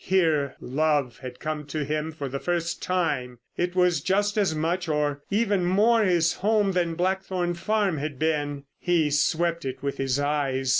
Here love had come to him for the first time. It was just as much or even more his home than Blackthorn Farm had been. He swept it with his eyes.